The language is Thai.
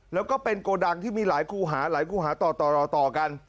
แล้วก็เป็นโกดังที่มีหลายคู่หาหลายคู่หาต่อกัน